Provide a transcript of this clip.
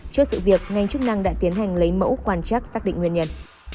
trước sự việc ngành chức năng đã tiến hành lấy mẫu quan trắc xác định nguyên nhân